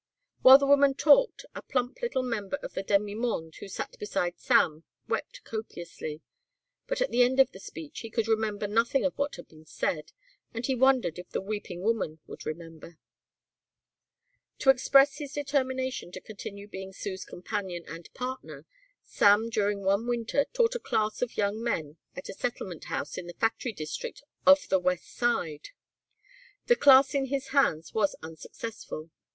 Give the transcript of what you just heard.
While the woman talked a plump little member of the demi monde who sat beside Sam wept copiously, but at the end of the speech he could remember nothing of what had been said and he wondered if the weeping woman would remember. To express his determination to continue being Sue's companion and partner, Sam during one winter taught a class of young men at a settlement house in the factory district of the west side. The class in his hands was unsuccessful.